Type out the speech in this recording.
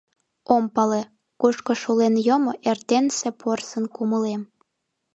Ом пале: кушко шулен йомо Эрденсе порсын кумылем.